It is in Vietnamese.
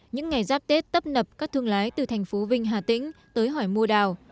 những ngày giáp tết tấp nập các thương lái từ thành phố vinh hà tĩnh tới hỏi mua đào